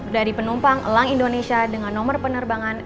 dari penumpang elang indonesia dengan nomor penerbangan